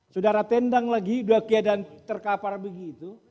sudara tendang lagi udah keadaan terkapar begitu